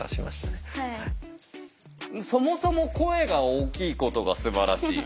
そもそも声が大きいことがすばらしい。